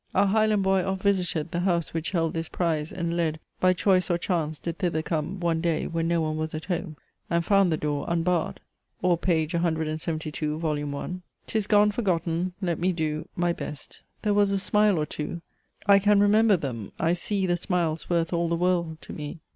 "Our Highland Boy oft visited The house which held this prize; and, led By choice or chance, did thither come One day, when no one was at home, And found the door unbarred." Or page 172, vol. I. "'Tis gone forgotten, let me do My best. There was a smile or two I can remember them, I see The smiles worth all the world to me.